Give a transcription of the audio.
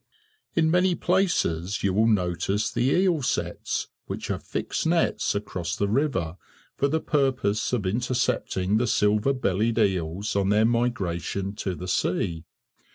In many places you will notice the eel sets, which are fixed nets across the river for the purpose of intercepting the silver bellied eels on their migration to the sea.